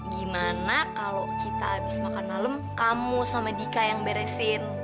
gimana kalau kita habis makan malam kamu sama dika yang beresin